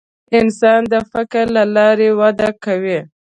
انسان د فکر له لارې وده کوي.